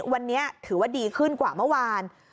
วันนี้ถือว่าดีขึ้นกว่าเมื่อวาน